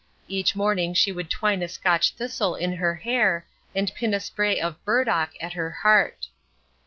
Each morning she would twine a Scotch thistle in her hair, and pin a spray of burdock at her heart.